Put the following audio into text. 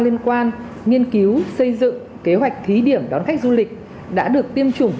liên quan nghiên cứu xây dựng kế hoạch thí điểm đón khách du lịch đã được tiêm chủng